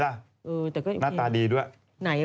หน้าตาดีด้วย